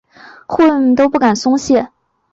护卫们都不敢松懈。